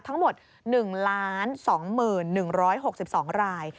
ทั้งหมด๑๒๑๖๒ราย